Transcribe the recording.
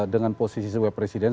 dengan posisi sebagai presiden